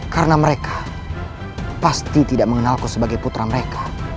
karena mereka pasti tidak mengenalku sebagai putra mereka